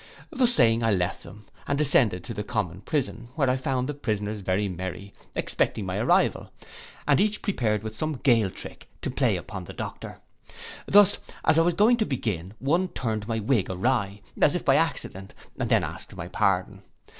Thus saying, I left them, and descended to the common prison, where I found the prisoners very merry, expecting my arrival; and each prepared with some gaol trick to play upon the doctor. Thus, as I was going to begin, one turned my wig awry, as if by accident, and then asked my pardon.